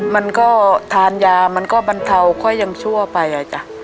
มันก็ทานยามันก็บรรเทาก็ยังชั่วไปอ่ะจ้ะ